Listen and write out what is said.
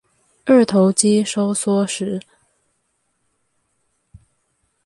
二頭肌收縮時